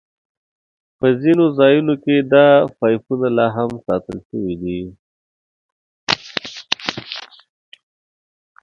په ځینو ځایونو کې دا پایپونه لاهم ساتل شوي دي.